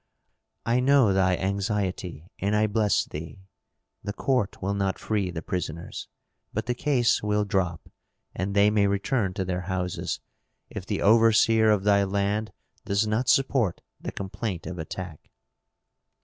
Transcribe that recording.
"I know thy anxiety and I bless thee. The court will not free the prisoners. But the case will drop, and they may return to their houses if the overseer of thy land does not support the complaint of attack."